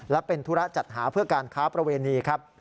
และเป็นธุระจัดหาเพื่อการค้าประเวณีครับ